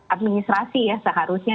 administrasi ya seharusnya